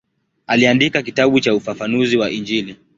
Aliandika kitabu cha ufafanuzi wa Injili.